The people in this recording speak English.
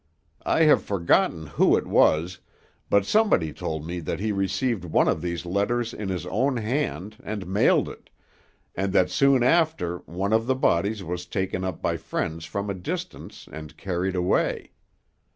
I have forgotten who it was, but somebody told me that he received one of these letters in his own hand, and mailed it, and that soon after one of the bodies was taken up by friends from a distance, and carried away."